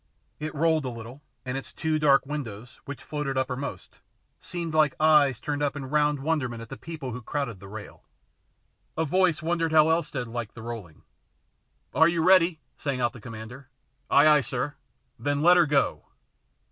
It rolled a little, and its two dark windows, which floated uppermost, seemed like eyes turned up in round wonderment at the people who crowded the rail. A voice wondered how Elstead liked the rolling. " Are you ready ?" sang out the com mander. "Ay, ay, sir!" "Then let her go!"